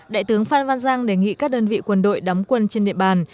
đại tướng phan văn giang đề nghị các đơn vị quân đội đóng quân trên địa bàn